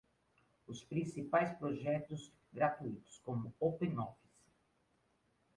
Os principais projetos gratuitos, como o OpenOffice.